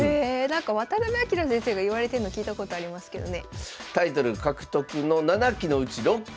なんか渡辺明先生がいわれてんの聞いたことありますけどね。